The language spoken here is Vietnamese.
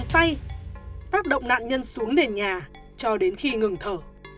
hùng dùng tay tác động nạn nhân xuống nền nhà cho đến khi ngừng thở